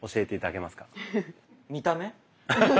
見た目。